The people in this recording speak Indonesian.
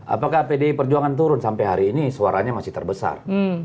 apakah pdi perjuangan turun sampai hari ini suaranya masih terbesar